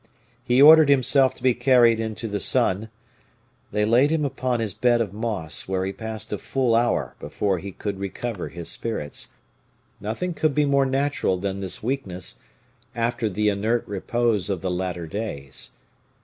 He ordered himself to be carried into the sun; they laid him upon his bed of moss where he passed a full hour before he could recover his spirits. Nothing could be more natural than this weakness after then inert repose of the latter days.